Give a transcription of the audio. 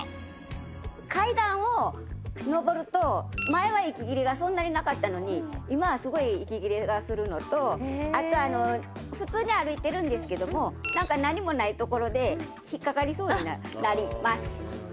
階段を上ると前は息切れがそんなになかったのに今はすごい息切れがするのとあと普通に歩いてるんですけども何もない所でひっかかりそうになります。